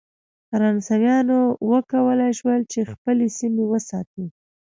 فرانسویانو وکولای شول چې خپلې سیمې وساتي.